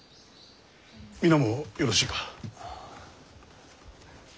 皆もよろしいか。